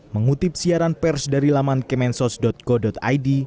mengutip siaran pers dari laman kemensos go id